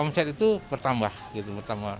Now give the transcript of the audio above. omset itu bertambah gitu bertambah